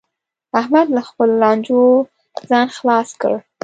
احمد له خپلو لانجو ځان خلاص کړ